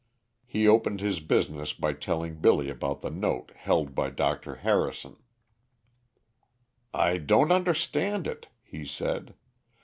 He opened his business by telling Billy about the note held by Dr. Harrison. "I don't understand it," he said.